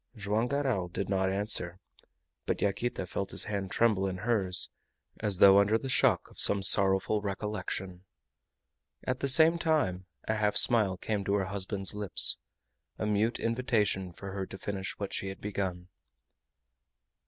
Joam Garral did not answer, but Yaquita felt his hand tremble in hers, as though under the shock of some sorrowful recollection. At the same time a half smile came to her husband's lips a mute invitation for her to finish what she had begun.